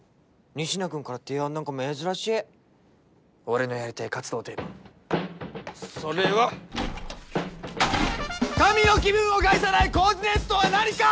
仁科君から提案なんか珍しい俺のやりたい活動テーマそれは「神の気分を害さないコーディネートとはなにか！？」